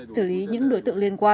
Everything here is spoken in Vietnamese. xử lý những đối tượng liên quan